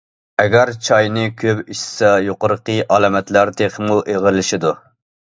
ئەگەر چاينى كۆپ ئىچسە، يۇقىرىقى ئالامەتلەر تېخىمۇ ئېغىرلىشىدۇ.